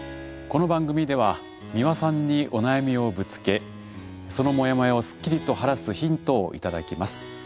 この番組では美輪さんにお悩みをぶつけそのモヤモヤをすっきりと晴らすヒントを頂きます。